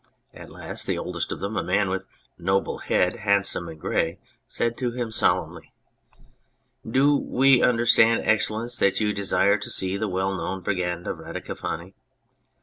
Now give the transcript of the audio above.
At last the oldest of them, a man with a noble head, handsome and grey, said to him solemnly "Do we understand, Excellence, that you desire to see the well known Brigand of Radicofani